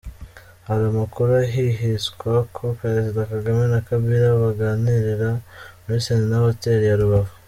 Hari amakuru ahwihwiswa ko Perezida Kagame na Kabila baganirira muri Serena Hoteli ya Rubavu.